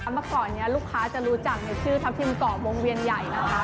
มาก่อนลูกค้าจะรู้จักในชื่อทัพทิมกรอบวงเวียนใหญ่นะคะ